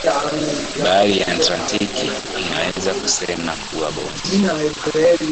bahari ya atlantic Inaweza kusema kuwa bonde